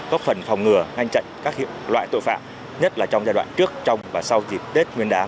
góp phần phòng ngừa ngăn chặn các hiệu loại tội phạm nhất là trong giai đoạn trước trong và sau dịp tết nguyên đán